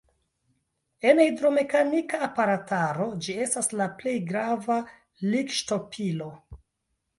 En hidromekanika aparataro ĝi estas la plej grava likŝtopilo.